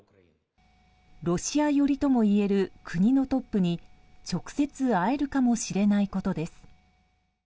ロシア寄りともいえる国のトップに直接、会えるかもしれないことです。